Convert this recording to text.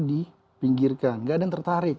dipinggirkan nggak ada yang tertarik